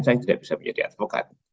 saya tidak bisa menjadi advokat